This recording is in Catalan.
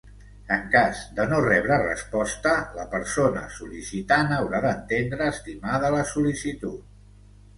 En cas de no rebre resposta, la persona sol·licitant haurà d'entendre estimada la sol·licitud.